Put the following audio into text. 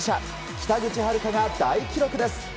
北口榛花が大記録です。